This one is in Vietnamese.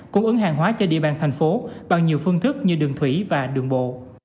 cung ứng hàng hóa cho địa bàn thành phố bằng nhiều phương thức như đường thủy và đường bộ